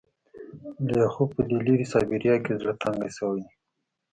لیاخوف په دې لیرې سایبریا کې زړه تنګی شوی دی